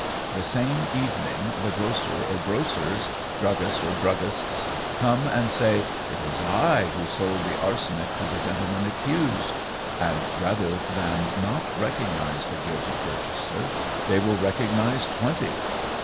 The same evening the grocer or grocers, druggist or druggists, come and say, 'It was I who sold the arsenic to the gentleman accused'; and rather than not recognize the guilty purchaser, they will recognize twenty.